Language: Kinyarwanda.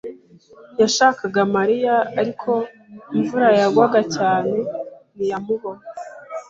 yashakaga Mariya, ariko imvura yagwaga cyane ntiyamubona.